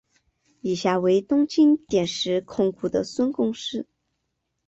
以下为东京电视控股的孙公司。